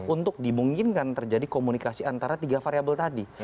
untuk dimungkinkan terjadi komunikasi antara tiga variable tadi